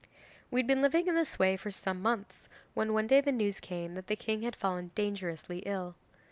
'We had been living in this way for some months when one day the news came that the king had fallen dangerously ill.